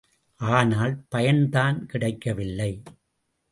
ஆனால் பயன்தான் கிடைக்கவில்லை.